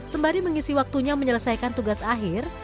sembari mengisi waktunya menyelesaikan tugas akhir